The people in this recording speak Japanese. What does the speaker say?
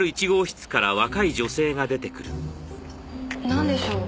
なんでしょう？